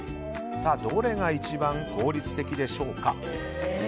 どれが一番効率的でしょうか。